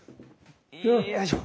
よいしょ。